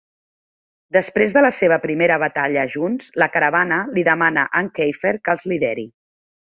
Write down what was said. Després de la seva primera batalla junts, la caravana li demana en Keifer que els lideri.